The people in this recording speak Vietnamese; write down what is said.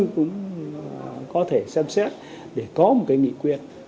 cũng có thể xem xét để có một cái nghị quyết